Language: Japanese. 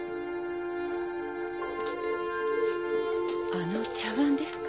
あの茶わんですか？